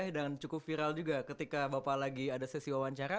yang cukup viral juga ketika bapak lagi ada sesi wawancara